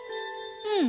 うん。